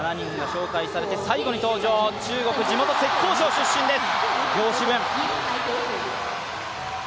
７人が紹介されて最後に登場、地元・浙江省出身です。